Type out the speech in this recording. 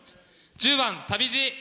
１０番「旅路」。